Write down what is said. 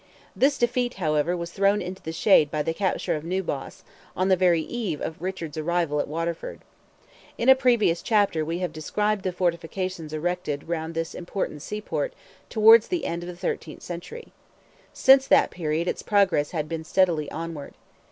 This defeat, however, was thrown into the shade by the capture of New Ross, on the very eve of Richard's arrival at Waterford. In a previous chapter we have described the fortifications erected round this important seaport towards the end of the thirteenth century. Since that period its progress had been steadily onward.